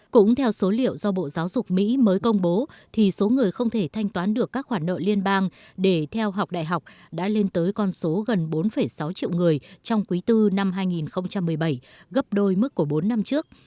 cũng theo số liệu do bộ giáo dục mỹ mới công bố thì số người không thể thanh toán được các khoản nợ liên bang để theo học đại học đã lên tới con số gần bốn sáu triệu người trong quý bốn năm hai nghìn một mươi bảy gấp đôi mức của bốn năm trước